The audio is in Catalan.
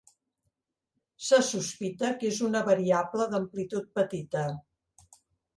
Se sospita que és una variable d'amplitud petita.